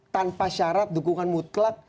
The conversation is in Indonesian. tanpa syarat dukungan mutlak